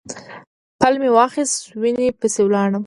پل مې واخیست وینې پسې لاړم.